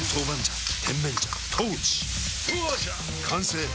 完成！